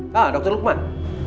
hah dokter lukman